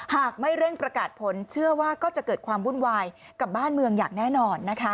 หากไม่เร่งประกาศผลเชื่อว่าก็จะเกิดความวุ่นวายกับบ้านเมืองอย่างแน่นอนนะคะ